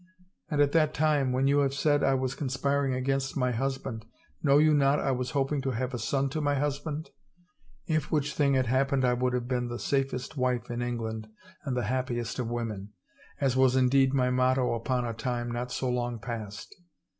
And, at that time, when you have said I was conspiring against my husband, know you not I was hoping to have a son to my husband, if which thing had happened I would have been the safest wife in England and the happiest of women — as was indeed my motto upon a time not so long passed.